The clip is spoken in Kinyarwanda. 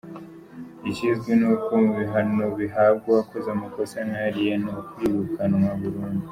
Ikizwi ni uko mu bihano bihabwa uwakoze amakosa nk’ariya ni ukwirukanwa burundu.